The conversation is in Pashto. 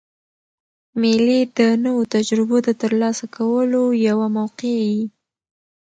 مېلې د نوو تجربو د ترلاسه کولو یوه موقع يي.